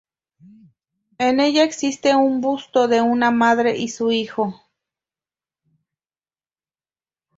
En ella existe un busto de una madre y su hijo.